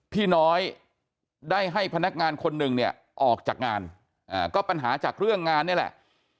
พี่น้อยได้ให้พนักงานคนหนึ่งเนี่ยออกจากงานก็ปัญหาจากเรื่องงานนี่แหละ